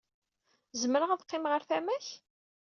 Zemreɣ ad qqimeɣ ɣer tama-k?